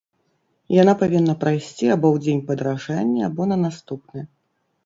Яна павінна прайсці або ў дзень падаражання, або на наступны.